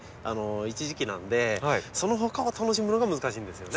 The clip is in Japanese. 一時期なのでそのほかを楽しむのが難しいんですよね。